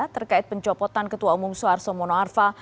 terkait pencopotan ketua umum soeharto mono arfa